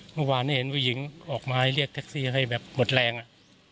เมื่อวานเห็นผู้หญิงออกมาเรียกแท็กซี่ให้แบบหมดแรงอ่ะ